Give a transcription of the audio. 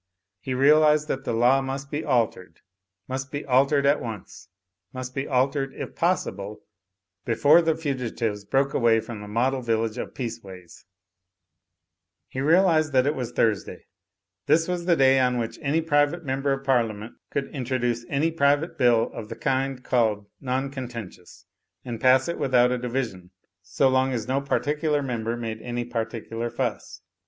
He realised that the law must be altered. Must be altered at once. Must be altered, if possible, before the fugitives broke away from the Model Village of Peaceways. Digitized by CjOOQIC 212 THE FLYING INN He realised that it was Thursday. This was the day on which any private member of Parliament could introduce any private bill of the kind called "non con tentious," and pass it without a division, so long as no particular member made any particular fuss.